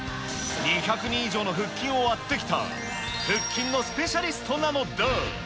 ２００人以上の割ってきた、腹筋のスペシャリストなのだ。